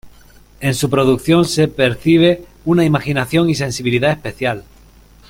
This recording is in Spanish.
En su producción se percibe una imaginación y sensibilidad especial.